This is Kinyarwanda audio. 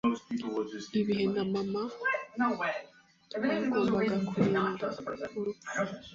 Ibihe na mama twagombaga kurinda urupfu.